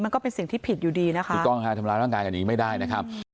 ก็เป็นสิ่งที่ผิดอยู่ดีนะคะถูกต้องค่ะทำร้ายร่างกายอันนี้ไม่ได้นะครับ